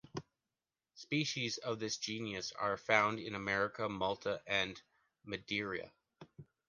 Species of this genus are found in America, Malta and Madeira.